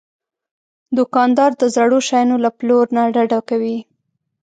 دوکاندار د زړو شیانو له پلور نه ډډه کوي.